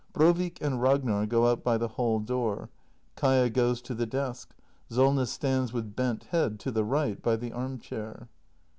[Brovik and Ragnar go out by the hall door. Kaia goes to the desk. Solness stands with bent head, to the right, by the arm chair.